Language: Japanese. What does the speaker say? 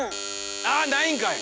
ああないんかい！